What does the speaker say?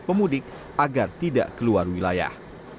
pemudik agar tidak keluar wilayah